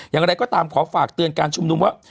อย่างไรก็ตามขอฝากเตือนการชุมนุมว่า